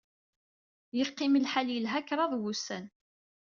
Yeqqim lḥal yelha kraḍ wussan.